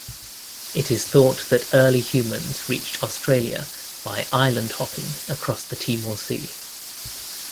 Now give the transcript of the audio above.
It is thought that early humans reached Australia by "island-hopping" across the Timor Sea.